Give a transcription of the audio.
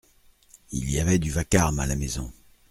Il y avait du vacarme à la maison.